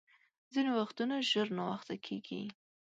ځیني وختونه ژر ناوخته کېږي .